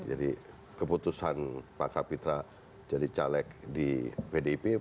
jadi keputusan pak kapitra jadi caleg di pdip